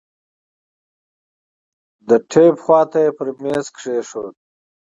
د ټېپ خوا ته يې پر ميز کښېښود.